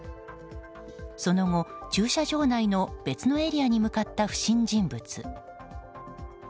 その後、駐車場内の別のエリアに向かった不審人物。